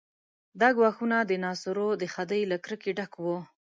دا ګواښونه د ناصرو د خدۍ له کرکې ډک دي.